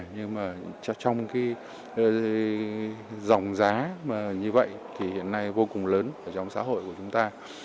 nhưng mà trong dòng giá như vậy thì hiện nay vô cùng lớn trong xã hội của chúng ta